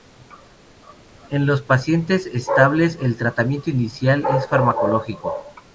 En los pacientes estables el tratamiento inicial es farmacológico.